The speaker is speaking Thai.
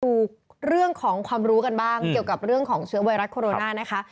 ดูเรื่องของความรู้กันบ้างเกี่ยวกับเรื่องของเชื้อไวรัสโคโรนานะคะ